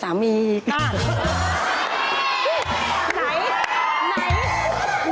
ไหน